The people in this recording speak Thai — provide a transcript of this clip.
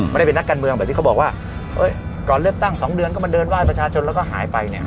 ไม่ได้เป็นนักการเมืองแบบที่เขาบอกว่าก่อนเลือกตั้งสองเดือนก็มาเดินไห้ประชาชนแล้วก็หายไปเนี่ย